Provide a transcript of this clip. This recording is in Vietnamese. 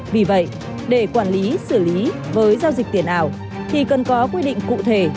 vì vậy để quản lý xử lý với giao dịch tiền ảo thì cần có quy định cụ thể